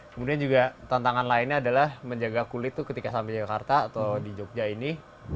kemudian juga tantangan lainnya adalah menjaga kulit itu ketika sampai jakarta atau di jogja ini